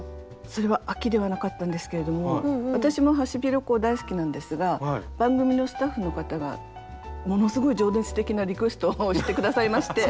それは秋ではなかったんですけれども私もハシビロコウ大好きなんですが番組のスタッフの方がものすごい情熱的なリクエストをして下さいまして。